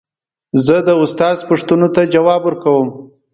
زه د استاد پوښتنو ته ځواب ورکوم.